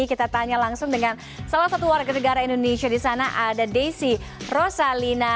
kita tanya langsung dengan salah satu warga negara indonesia di sana ada desi rosalina